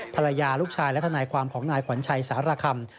ภรรยาลูกชายและทนายความของนายขวัญชัยสารคำ